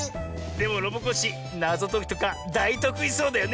でもロボコッシーなぞときとかだいとくいそうだよね。